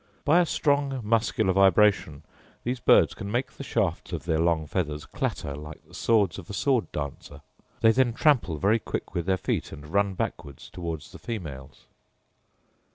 By a strong muscular vibration these birds can make the shafts of their long feathers clatter like the swords of a sword dancer; they then trample very quick with their feet, and run backwards towards the females.